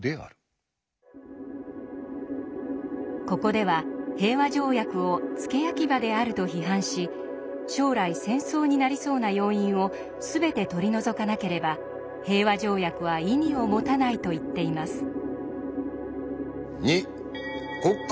ここでは平和条約を付け焼き刃であると批判し将来戦争になりそうな要因を全て取り除かなければ平和条約は意味を持たないと言っています。